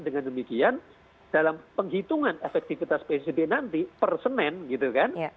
dengan demikian dalam penghitungan efektifitas psb nanti per senin